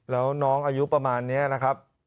แล้วน้องอายุประมาณนี้นะครับ